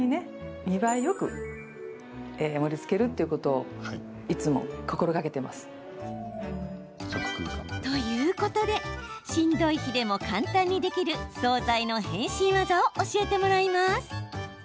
でも。ということで、しんどい日でも簡単にできる総菜の変身技を教えてもらいます。